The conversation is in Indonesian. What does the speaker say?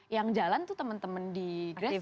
yang jalan itu teman teman di grassroot